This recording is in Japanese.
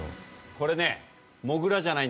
これね。